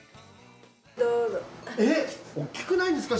えっ大きくないですか？